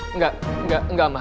enggak enggak enggak ma